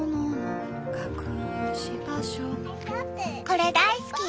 これ大好き！